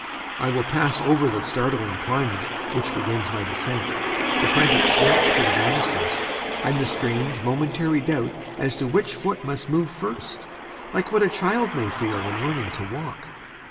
I will pass over the startling plunge which begins my descent, the frantic snatch for the banisters, and the strange, momentary doubt as to which foot must move first, like what a child may feel when learning to walk.